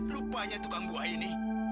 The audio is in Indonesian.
rupanya tukang buah ini